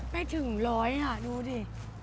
ไม่ถึงร้อยค่ะดูดิ